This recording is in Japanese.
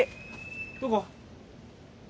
どこ？